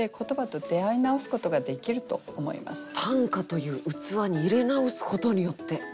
「短歌という器に入れ直すことによって」。